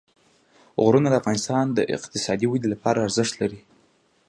غرونه د افغانستان د اقتصادي ودې لپاره ارزښت لري.